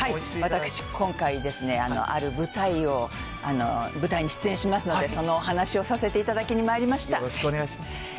私、今回ですね、ある舞台を、舞台に出演しますので、そのお話をさせていただきにまいりましたよろしくお願いします。